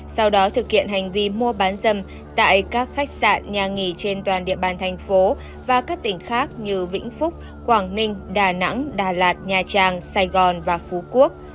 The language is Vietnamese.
sau đó thực hiện hành vi mua bán dâm tại các khách sạn nhà nghỉ trên toàn địa bàn thành phố và các tỉnh khác như vĩnh phúc quảng ninh đà nẵng đà lạt nha trang sài gòn và phú quốc